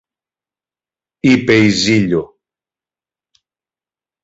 είπε η Ζήλιω.